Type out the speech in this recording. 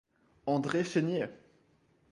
André Chénier!